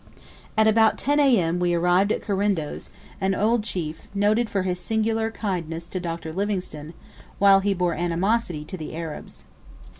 About 10 A.M. we arrived at Kirindo's, an old chief, noted for his singular kindness to Dr. Livingstone, while he bore animosity to the Arabs.